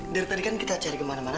dari tadi kan kita cari kemana mana